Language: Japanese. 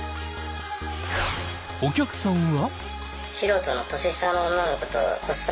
お客さんは。